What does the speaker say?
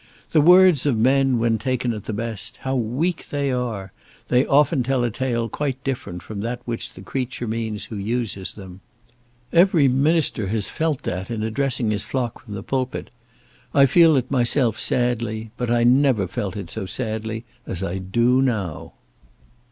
The words of men, when taken at the best, how weak they are! They often tell a tale quite different from that which the creature means who uses them. Every minister has felt that in addressing his flock from the pulpit. I feel it myself sadly, but I never felt it so sadly as I do now."